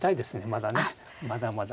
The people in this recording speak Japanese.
まだねまだまだ。